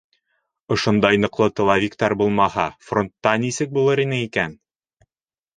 Ошондай ныҡлы тыловиктар булмаһа, фронтта нисек булыр ине икән?